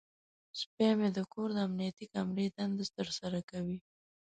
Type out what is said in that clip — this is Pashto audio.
سپی مې د کور د امنیتي کامرې دنده ترسره کوي.